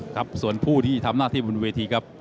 ครับส่วนผู้ที่ทำหน้าที่บนเวทีครับ